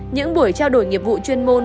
những buổi trao đổi nghiệp vụ chuyên môn